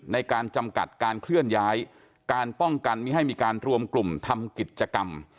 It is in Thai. ในการจำกัดการเคลื่อนย้ายการป้องกันไม่ให้มีการรวมกลุ่มทำกิจกรรม